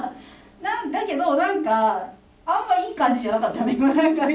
だけど何かあんまいい感じじゃなかったね